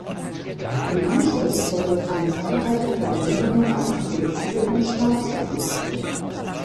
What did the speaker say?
Im Anschluss folgten zahlreiche Verwendungen als Offizier und Stabsoffizier.